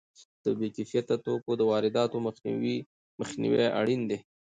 د بې کیفیته توکو د وارداتو مخنیوی اړین دی.